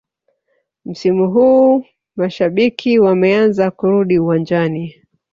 msimu huu mashabiki wameanza kurudi uwanjani